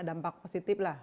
dampak positif lah